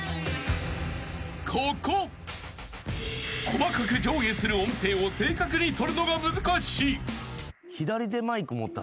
［細かく上下する音程を正確に取るのが難しい］